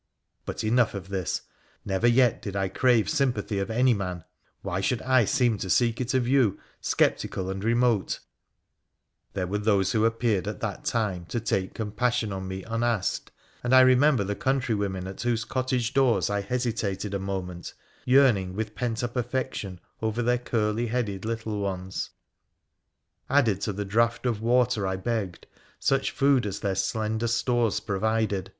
But enough of this. Never yet did I crave sympathy of any man : why should I seem to seek it of you — sceptical and remote ? There were those who appeared at that time to take com passion on me unasked, and I remember the countrywomen at whose cottage doors I hesitated a moment — yearning with pent up affection over their curly headed little ones — added to the draught of water I begged such food as their slender stores provided.